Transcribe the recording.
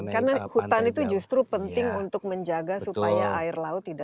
karena hutan itu justru penting untuk menjaga supaya air lautnya